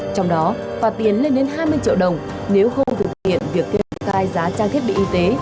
trong đó phạt tiền lên đến hai mươi triệu đồng nếu không thực hiện việc kê khai giá trang thiết bị y tế